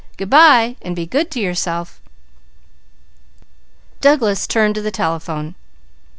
Good bye and be good to yourself!" Douglas turned to the telephone.